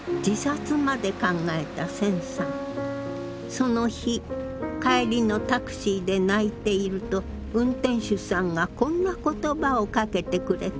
その日帰りのタクシーで泣いていると運転手さんがこんな言葉をかけてくれた。